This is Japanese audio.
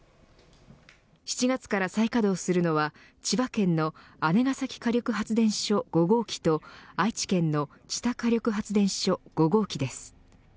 ７月から再稼働するのは千葉県の姉崎火力発電所５号機と愛知県の知多火力発電所５号機です。